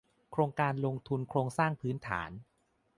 โครงการลงทุนโครงสร้างพื้นฐาน